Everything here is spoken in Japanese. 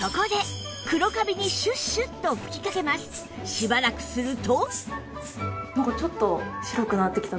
しばらくすると